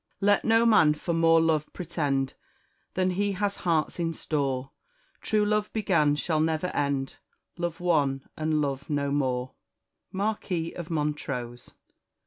'Let no man for more love pretend Than he has hearts in store; True love begun shall never end: Love one, and love no more.'" "Marquis of Montrose."